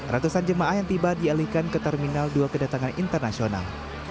ratusan jemaah yang tiba dialihkan ke terminal dua kedatangan internasional